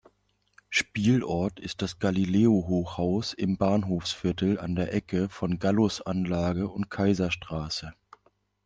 Spielort ist das Gallileo-Hochhaus im Bahnhofsviertel, an der Ecke von Gallusanlage und Kaiserstraße.